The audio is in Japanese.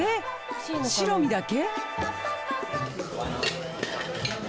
白身だけ？